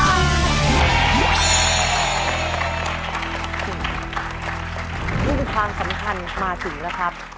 ความสำคัญมาถึงแล้วครับ